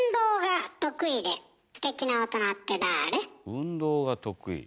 運動が得意。